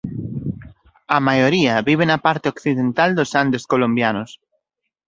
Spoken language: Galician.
A maioría vive na parte occidental dos Andes colombianos.